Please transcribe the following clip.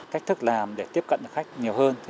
cách thức làm để tiếp cận khách nhiều hơn